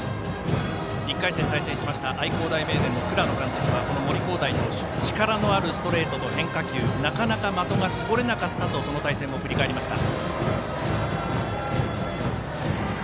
１回戦、対戦しました愛工大名電の倉野監督は森煌誠投手力のあるストレートと変化球なかなか的が絞れなかったとその対戦を振り返りました。